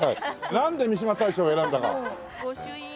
なんで三嶋大社を選んだか？